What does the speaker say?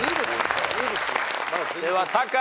ではタカ。